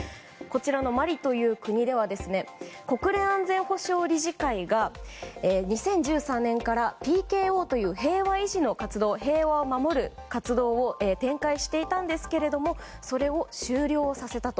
マリという国では国連安全保障理事会が２０１３年からＰＫＯという、平和維持の活動平和を守る活動を展開していましたがそれを終了させたと。